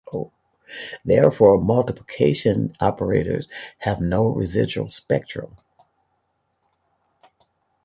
Therefore, multiplication operators have no residual spectrum.